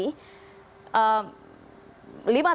dan kemudian membandingkan nanti